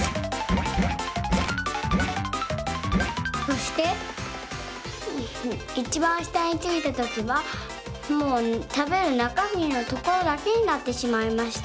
そしていちばんしたについたときはもうたべるなかみのところだけになってしまいました。